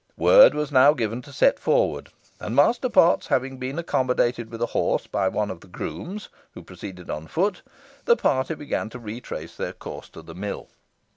Word was now given to set forward, and Master Potts having been accommodated with a horse by one of the grooms, who proceeded on foot, the party began to retrace their course to the mill.